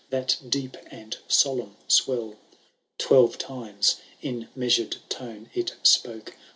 That deep and solemn swell,— Twelve times, in measured tone, it spoke.